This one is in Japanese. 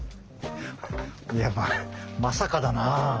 いやまさかだなあ。